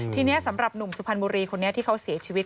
ทีนี้สำหรับหนุ่มสุพรรณบุรีคนนี้ที่เขาเสียชีวิต